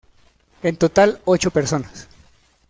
En total ocho personas.